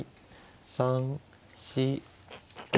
３４５。